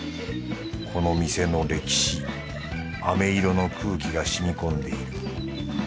この店の歴史飴色の空気が染み込んでいる。